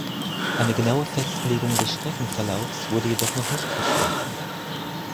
Eine genaue Festlegung des Streckenverlaufs wurde jedoch noch nicht beschlossen.